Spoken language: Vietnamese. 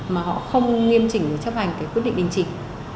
mà họ không nghiêm chỉnh chấp hành cái quyết định bình chỉnh